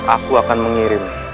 aku akan mengirim